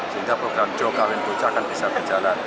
sehingga program jokawin bocah akan bisa berjalan